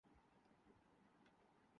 عدلیہ اور ہے۔